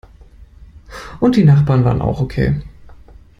Und die Nachbarn waren auch okay.